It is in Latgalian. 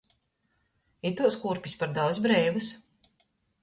Ituos kūrpis par daudz breivys.